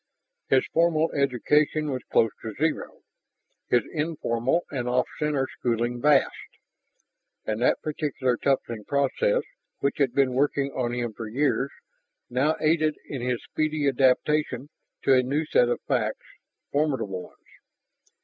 His formal education was close to zero, his informal and off center schooling vast. And that particular toughening process which had been working on him for years now aided in his speedy adaption to a new set of facts, formidable ones.